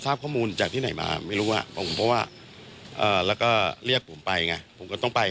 รู้จักกันไหมครับตอนนั้น